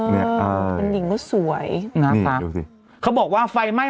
นางหนุ่มมองข้างหลังอีกแล้วเนี่ย